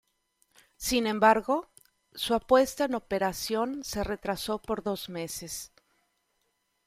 Sin embargo, su puesta en operación se retrasó por dos meses.